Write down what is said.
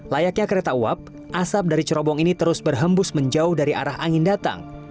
layaknya kereta uap asap dari cerobong ini terus berhembus menjauh dari arah angin datang